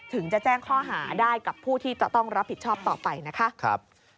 ถึงจะแจ้งข้อหาได้กับผู้ที่จะต้องรับผิดชอบต่อไปนะคะ